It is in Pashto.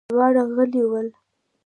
دواړه غلي ول.